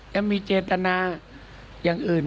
จะมีเจตนาอย่างอื่น